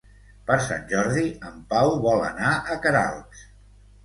Per Sant Jordi en Pau vol anar a Queralbs.